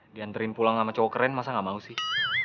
dianterin pulang sama cowok keren masa nggak mau sih